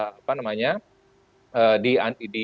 jadi itu akan menjadi hal yang sangat penting